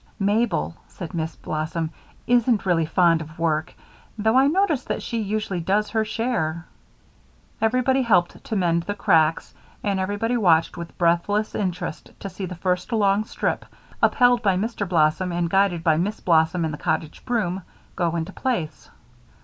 "Mabel," said Miss Blossom, "isn't really fond of work, though I notice that she usually does her share." Everybody helped to mend the cracks, and everybody watched with breathless interest to see the first long strip, upheld by Mr. Blossom and guided by Miss Blossom and the cottage broom, go into place.